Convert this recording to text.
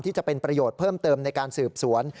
จะเป็นประโยชน์เพิ่มเติมในการสืบสวน